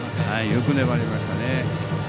よく粘りましたね。